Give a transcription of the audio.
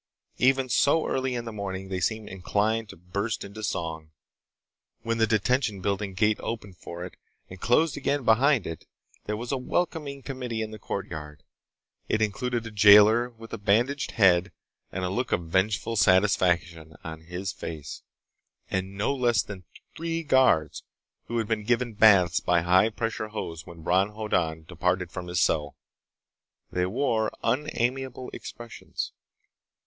Even so early in the morning they seemed inclined to burst into song. When the Detention Building gate opened for it, and closed again behind it, there was a welcoming committee in the courtyard. It included a jailer with a bandaged head and a look of vengeful satisfaction on his face, and no less than three guards who had been given baths by a high pressure hose when Bron Hoddan departed from his cell. They wore unamiable expressions.